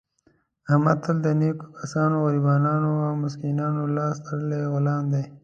احمد تل د نېکو کسانو، غریبانو او مسکینانو لاس تړلی غلام دی.